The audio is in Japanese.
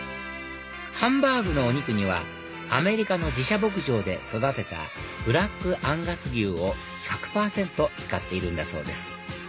ハンバーグのお肉にはアメリカの自社牧場で育てたブラックアンガス牛を１００％使っているんだそうです